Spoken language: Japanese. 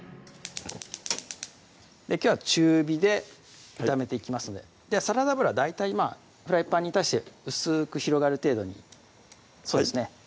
きょうは中火で炒めていきますのでサラダ油大体フライパンに対して薄く広がる程度にそうですね